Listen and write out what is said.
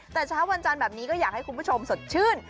แต่เช้าวันจันทร์แบบนี้ก็อยากให้คุณผู้ชมสดชื่น